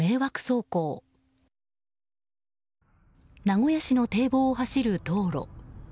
名古屋市の堤防を走る道路。